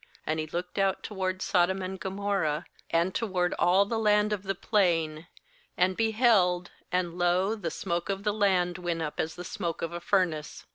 2SAnd he looked out toward Sodom and Gomor rah, and toward all the land of the Plain, and beheld, and, lo, the smoke of the land went up as the smoke of a furnace.